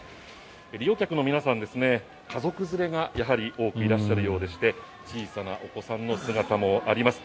利用客の皆さん、家族連れが多くいらっしゃるようでして小さなお子さんの姿もあります。